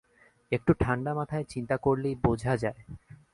একটু ঠাণ্ডা মাথায় চিন্তা করলেই বোঝা যায়।